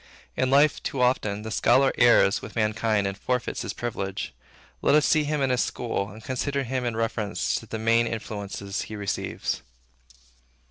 In life, too often, the scholar errs with mankind and forfeits his privilege. Let us see him in his school, and consider him in reference to the main influences he receives.